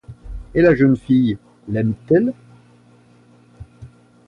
Et la jeune fille, l’aime-t-elle ?